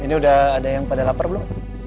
ini udah ada yang pada lapar belum